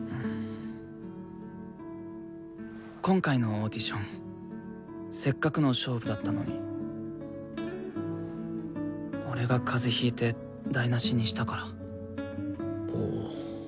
今回のオーディションせっかくの勝負だったのに俺が風邪ひいて台なしにしたから。